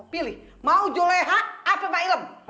pilih mau juleha apa mak ilham